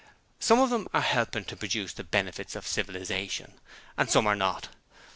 Some of them are helping to produce the benefits of civilization, and some are not.